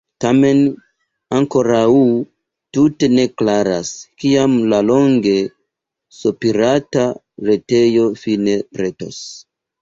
Tamen ankoraŭ tute ne klaras, kiam la longe sopirata retejo fine pretos.